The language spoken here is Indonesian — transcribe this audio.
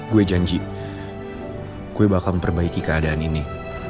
gue janji gue bakal perbaiki keadaan ini